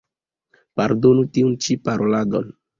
Pardonu tiun ĉi paroladon.